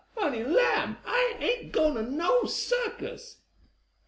honey lamb I ain't gwine t' no circus!"